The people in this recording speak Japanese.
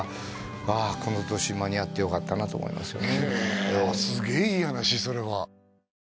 この年に間に合ってよかったなと思いますよね